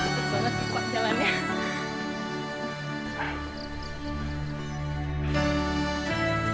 gak bisa duduk duduk